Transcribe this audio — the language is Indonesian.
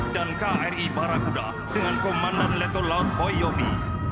dan kri baraguda dengan komandan letkol laut boyomi